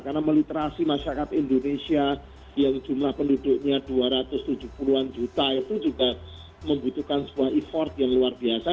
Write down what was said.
karena meliterasi masyarakat indonesia yang jumlah penduduknya dua ratus tujuh puluh an juta itu juga membutuhkan sebuah effort yang luar biasa